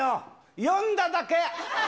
呼んだだけ。